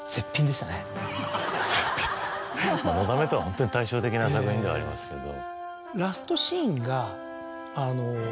絶品まぁ『のだめ』とはホントに対照的な作品ではありますけど。